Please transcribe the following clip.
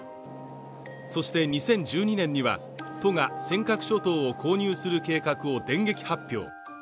そして、２０１２年には都が尖閣諸島を購入する計画を電撃発表。